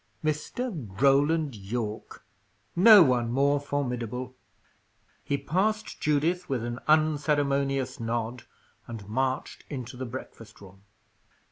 Mr. Roland Yorke. No one more formidable. He passed Judith with an unceremonious nod, and marched into the breakfast room.